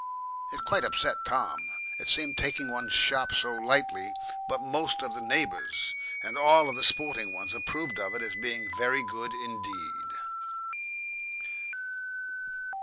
It quite upset Tom it seemed taking one's shop so lightly; but most of the neighbours, and all the sporting ones, approved of it as being very good indeed.